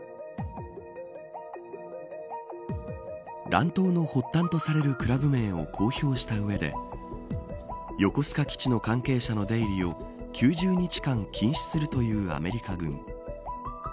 乱闘の発端とされるクラブ名を公表したうえで横須賀基地の関係者の出入りを９０日間禁止するというアメリカ軍。